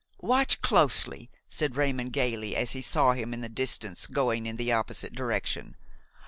"Watch closely," said Raymon, gayly, as he saw him in the distance going in the opposite direction.